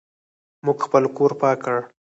موږ خپل کور پاک کړ.